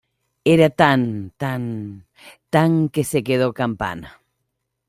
Era tan, tan, tan que se quedó campana